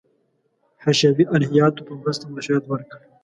حشوي الهیاتو په مرسته مشروعیت ورکړ.